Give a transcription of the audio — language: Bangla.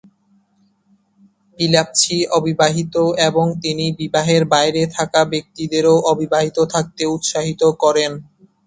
পিলাবচি অবিবাহিত এবং তিনি বিবাহের বাইরে থাকা ব্যক্তিদেরও অবিবাহিত থাকতে উৎসাহিত করেন।